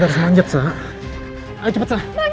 juga semangat petang